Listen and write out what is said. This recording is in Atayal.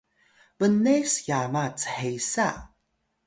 bnes yaba chesa